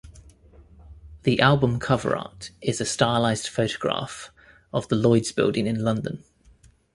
The album cover art is a stylised photograph of the Lloyd's Building in London.